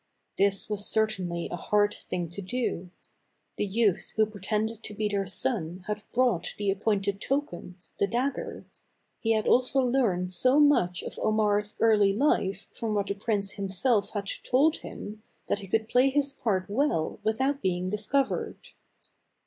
This was certainly a hard thing to do. The youth who pretended to be their son had brought the appointed token, the dagger; he had also learned so much of Omar's early life from what the prince himself had told him that he could play his part well without being discovered.